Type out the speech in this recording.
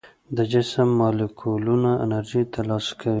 د جسم مالیکولونه انرژي تر لاسه کوي.